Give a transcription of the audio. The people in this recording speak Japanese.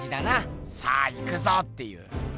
「さあ行くぞ！」っていう。